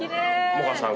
萌歌さん